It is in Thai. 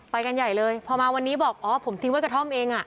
ไปกันใหญ่เลยพอมาวันนี้บอกอ๋อผมทิ้งไว้กระท่อมเองอ่ะ